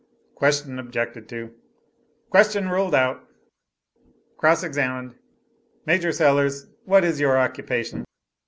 Question objected to. Question ruled out. Cross examined. "Major Sellers, what is your occupation?"